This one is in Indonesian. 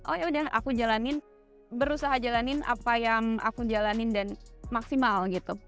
oh yaudah aku jalanin berusaha jalanin apa yang aku jalanin dan maksimal gitu